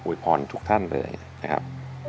พรทุกท่านเลยนะครับ